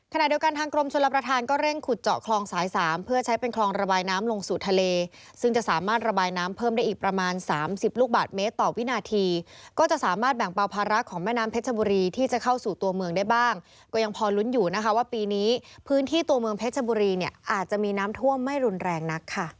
ขณะเดียวกันทางกรมชลประธานก็เร่งขุดเจาะคลองสายสามเพื่อใช้เป็นคลองระบายน้ำลงสู่ทะเลซึ่งจะสามารถระบายน้ำเพิ่มได้อีกประมาณ๓๐ลูกบาทเมตรต่อวินาทีก็จะสามารถแบ่งเบาภาระของแม่น้ำเพชรบุรีที่จะเข้าสู่ตัวเมืองได้บ้างก็ยังพอลุ้นอยู่นะคะว่าปีนี้พื้นที่ตัวเมืองเพชรบุรีเนี่ยอาจจะมีน้ำท่วมไม่รุนแรงนักค่ะ